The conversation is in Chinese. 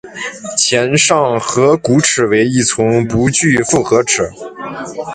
前上颌骨齿为一丛不具复合齿。